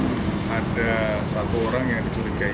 dan ada satu orang yang dicurigai